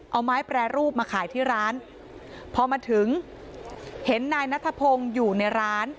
เอาไม้แปรรูปมาขายที่ร้านพอมาถึงเห็นนายนัทพงศ์อยู่ในร้าน